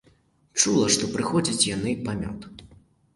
Чула, што прыходзяць яны па мёд.